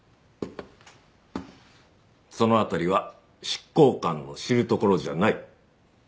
その辺りは執行官の知るところじゃない。